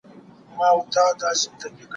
لراوبر ويبپاڼي دپښتو ژبي د څېړونکي ، استاد، او